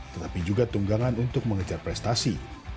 tetapi juga tunggangan untuk mengejar prestasi